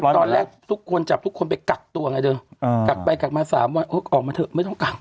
ตอนแรกทุกคนจับทุกคนไปกักตัวไงเธอกักไปกักมา๓วันออกมาเถอะไม่ต้องกัก